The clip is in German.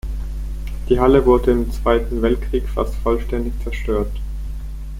Diese Halle wurde im Zweiten Weltkrieg fast vollständig zerstört.